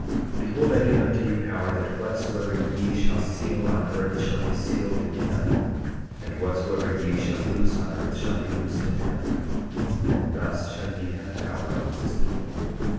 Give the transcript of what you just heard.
10:7 Behold, I give unto you power, that whatsoever ye shall seal on earth shall be sealed in heaven; and whatsoever ye shall loose on earth shall be loosed in heaven; and thus shall ye have power among this people.